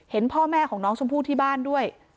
เห็นพ่อแม่ของน้องชมพู่ที่บ้านด้วย